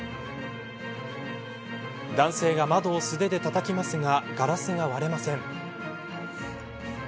男性が窓を素手でたたきますがガラスが割れません。